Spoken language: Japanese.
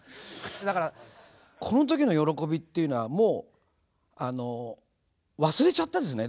だからこの時の喜びっていうのはもう忘れちゃったんですね。